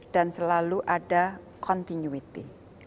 dan selalu ada continuity